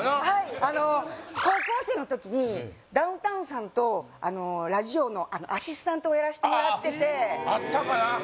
はいあの高校生の時にダウンタウンさんとラジオのアシスタントをやらしてもらっててあったかな